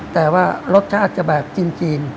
แต่ว่ารสชาติจะแบบจีน